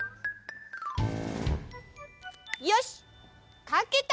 よしっかけた！